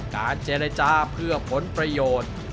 การเจรจาเพื่อผลประโยชน์